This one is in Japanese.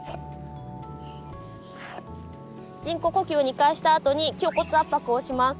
人工呼吸を２回したあとに胸骨圧迫をします。